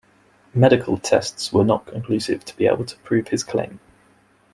Medical tests were not conclusive to be able to prove his claim.